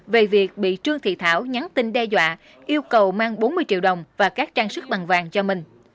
về việc bị trương thị thảo nhắn tin đe dọa yêu cầu mang bốn mươi triệu đồng và các trang sức bằng vàng cho mình